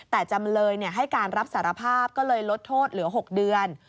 แต่จำเลยให้การรับสารภาพก็เลยลดโทษเหลือ๖เดือน